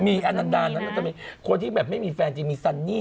มีแฟนแล้วมั้ยก็มีป่ะมีอะแล้วคนที่แบบไม่มีแฟนที่มี